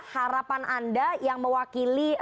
harapan anda yang mewakili